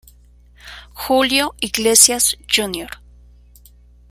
Julio Iglesias Jr.